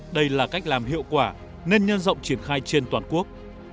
đây là cách làm hiệu quả nên nhân rộng triển khai trên toàn quốc